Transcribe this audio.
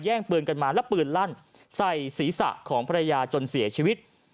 ปืนกันมาแล้วปืนลั่นใส่ศีรษะของภรรยาจนเสียชีวิต